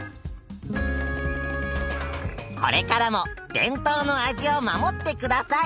これからも伝統の味を守って下さい。